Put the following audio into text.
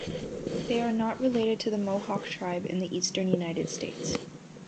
They are not related to the Mohawk tribe in the eastern United States.